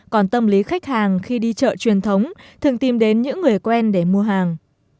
còn tâm lý khách hàng khi đi chợ truyền thống thường tìm đến những người quen để mua hàng